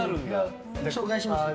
紹介しますよ。